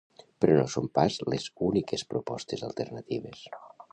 Però no són pas les úniques propostes alternatives.